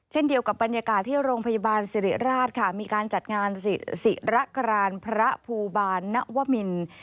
เช่นเดียวกับบรรยากาศที่โรงพยาบาลสิริราชค่ะมีการจัดงานศิระกรานพระภูบาลนวมิน